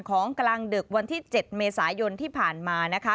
ของกลางดึกวันที่๗เมษายนที่ผ่านมา